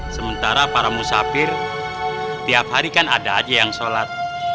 sementara para musafir tiap hari kan ada aja yang sholat